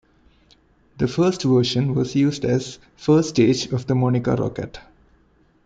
The first version was used as first stage of the Monica rocket.